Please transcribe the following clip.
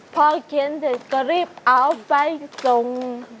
พอเขียนเสร็จก็รีบเอาไฟส่ง